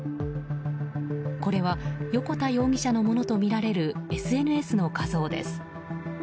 これは横田容疑者のものとみられるＳＮＳの画像です。